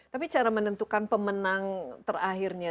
tapi cara menentukan pemenang terakhirnya